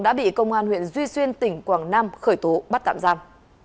đã bị công an huyện duy xuyên tỉnh quảng nam khởi tố bắt tạm giam